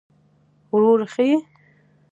وروره ښه يې!